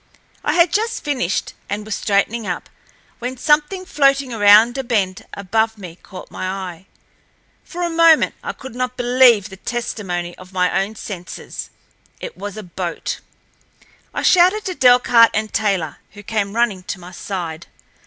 I had just finished, and was straightening up, when something floating around a bend above me caught my eye. For a moment I could not believe the testimony of my own senses. It was a boat. I shouted to Delcarte and Taylor, who came running to my side.